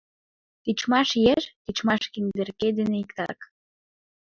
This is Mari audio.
Тичмаш еш — тичмаш киндерке дене иктак.